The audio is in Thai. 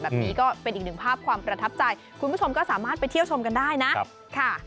ก็เป็นอีกหนึ่งภาพความประทับใจคุณผู้ชมก็สามารถไปเที่ยวชมกันได้นะค่ะ